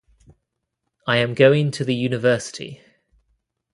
I am going to the university.